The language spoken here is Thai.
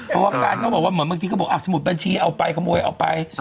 เพราะว่าการเขาบอกว่าเหมือนบางทีเขาบอกสมุดบัญชีเอาไปขโมยเอาไป